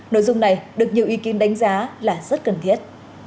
nội dung này được nhiều ý kiến đánh giá là rất cần thiết